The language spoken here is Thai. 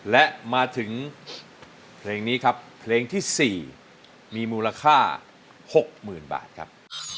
และมาถึงเพลงนี้ครับเพลงที่๔มีมูลค่า๖๐๐๐บาทครับ